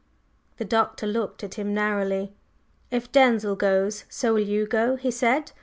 The Doctor looked at him narrowly. "If Denzil goes, so will you go," he said.